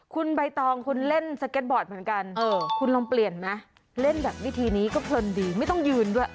คุณใบตองคุณเล่นสเก็ตบอร์ดเหมือนกันคุณลองเปลี่ยนไหมเล่นแบบวิธีนี้ก็เพลินดีไม่ต้องยืนด้วย